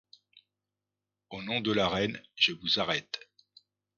Au nom de la reine, je vous arrête!